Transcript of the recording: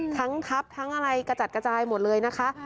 ทั้งทับทั้งอะไรกระจัดกระจายหมดเลยนะคะ